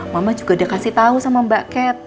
mama juga udah kasih tau sama mbak cat